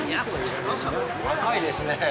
赤いですね。